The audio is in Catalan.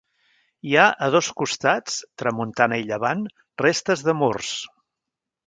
Hi ha a dos costats, tramuntana i llevant, restes de murs.